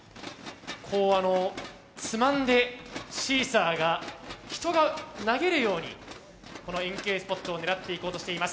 こうあのつまんでシーサーが人が投げるようにこの円形スポットを狙っていこうとしています。